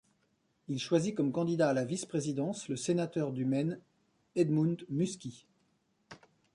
Il choisit comme candidat à la vice-présidence le sénateur du Maine Edmund Muskie.